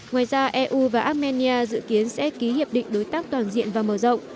ngoài ra eu và armenia dự kiến sẽ ký hiệp định đối tác toàn diện và mở rộng